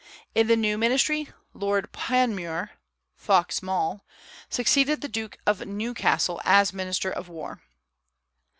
In the new ministry Lord Panmure (Fox Maule) succeeded the Duke of Newcastle as minister of war.